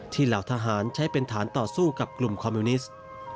เหล่าทหารใช้เป็นฐานต่อสู้กับกลุ่มคอมมิวนิสต์